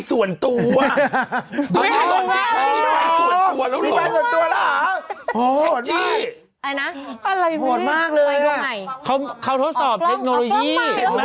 สอบเทคโนโลยี